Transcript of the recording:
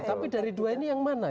tapi dari dua ini yang mana